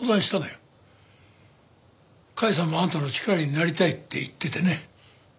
甲斐さんもあんたの力になりたいって言っててね。